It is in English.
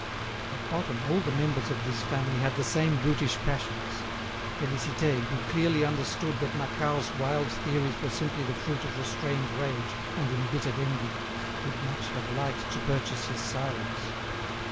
At bottom, all the members of this family had the same brutish passions. Félicité, who clearly understood that Macquart's wild theories were simply the fruit of restrained rage and embittered envy, would much have liked to purchase his silence.